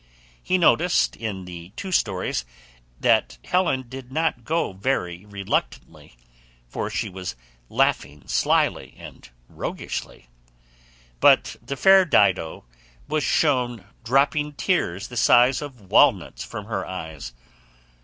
He noticed in the two stories that Helen did not go very reluctantly, for she was laughing slyly and roguishly; but the fair Dido was shown dropping tears the size of walnuts from her eyes.